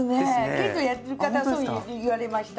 剣道やってる方はそう言われました。